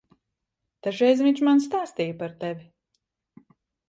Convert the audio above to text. Dažreiz viņš man stāstīja par tevi.